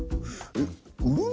えっ？